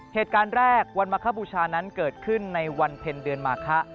เหตุการณ์แรกวันมาคบูชานั้นเกิดขึ้นในวันเพ็ญเดือนมาคะ